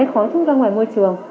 cái khói thuốc ra ngoài môi trường